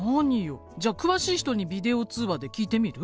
じゃあ詳しい人にビデオ通話で聞いてみる？